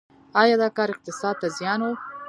آیا دا کار اقتصاد ته زیان و؟